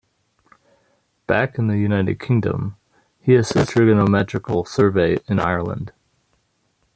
Back in the United Kingdom, he assisted in the trigonometrical survey in Ireland.